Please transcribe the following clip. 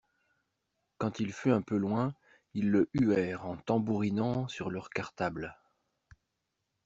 Quand il fut un peu loin, ils le huèrent en tambourinant sur leurs cartables.